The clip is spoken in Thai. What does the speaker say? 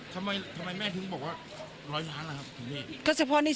ทำไมแม่ถึงบอกว่าร้อยล้านล่ะครับถึงนี่